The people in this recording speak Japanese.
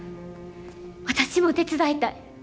私も手伝いたい。